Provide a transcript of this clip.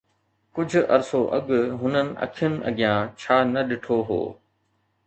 ڪجهه عرصو اڳ هنن اکين اڳيان ڇا نه ڏٺو هو